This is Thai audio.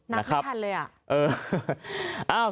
โชคโทรทิศนั้น